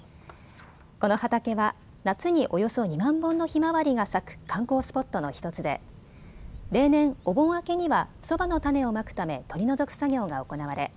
この畑は夏におよそ２万本のヒマワリが咲く観光スポットの１つで例年、お盆明けには、そばの種をまくため取り除く作業が行われ